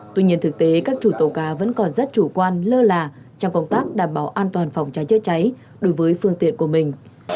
tuy nhiên thực tế các chủ tàu cá vẫn còn rất chủ quan lơ là trong công tác đảm bảo an toàn phòng cháy chữa cháy đối với phương tiện của mình